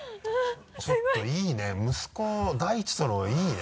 ちょっといいね息子だいちとのいいね。